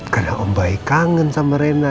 karena om baik kangen sama rena